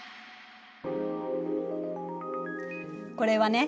これはね